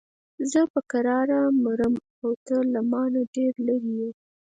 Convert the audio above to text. زه په کراره مرم او ته له مانه ډېر لرې یې.